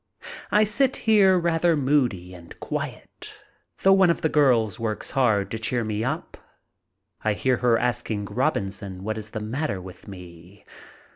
I sit here rather moody and quiet, though one of the girls works hard to cheer me up. I hear her asking Robinson what is the matter with me.